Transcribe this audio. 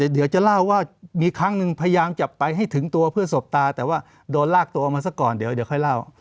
เดี๋ยวจะเล่าว่ามีครั้งหนึ่งพยายามจับไปให้ถึงตัวเพื่อสบตาแต่ว่าโดนลากตัวมาซะก่อนเดี๋ยวค่อยเล่า